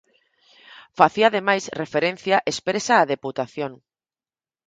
Facía ademais referencia expresa á deputación.